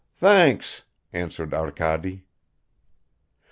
"Thanks," answered Arkady.